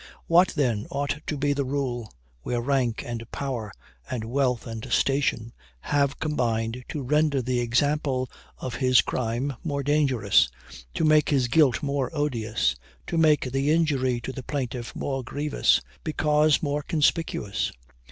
What, then, ought to be the rule, where rank and power, and wealth and station, have combined to render the example of his crime more dangerous to make his guilt more odious to make the injury to the plaintiff more grievous, because more conspicuous?